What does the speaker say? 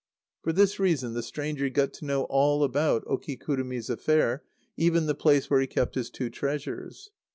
For this reason the stranger got to know all about Okikurumi's affair, even the place where he kept his two treasures.